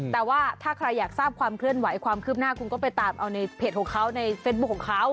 แต่ว่าถ้าใครอยากทราบความเคลื่อนไหวความคืบหน้าคุณก็ไปตามเอาในเพจของเขาในเฟซบุ๊คของเขา